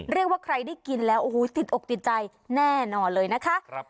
เรียกว่าใครได้กินแล้วโอ้โหติดอกติดใจแน่นอนเลยนะคะ